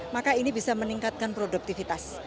maka ini bisa meningkatkan produktivitas